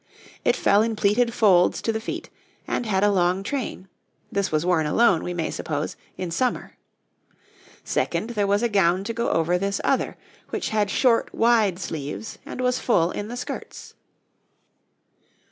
It fell in pleated folds to the feet, and had a long train; this was worn alone, we may suppose, in summer. Second, there was a gown to go over this other, which had short, wide sleeves, and was full in the skirts.